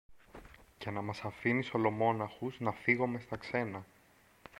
Και να μας αφήνεις ολομόναχους να φύγομε στα ξένα!